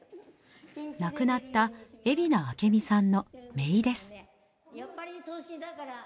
亡くなった蝦名明美さんの姪です。